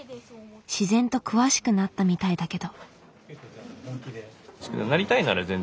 自然と詳しくなったみたいだけど。